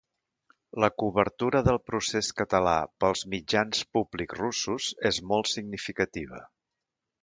La cobertura del procés català pels mitjans públics russos és molt significativa.